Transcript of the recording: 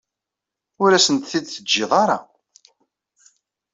Ur asent-t-id-teǧǧiḍ ara.